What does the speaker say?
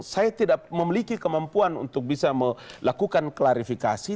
saya tidak memiliki kemampuan untuk bisa melakukan klarifikasi